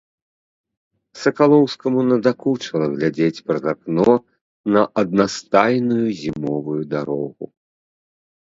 Сакалоўскаму надакучыла глядзець праз акно на аднастайную зімовую дарогу.